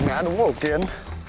ngã đúng ổ kiến